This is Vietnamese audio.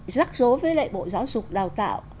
rắc rối với lại bộ giáo dục đào tạo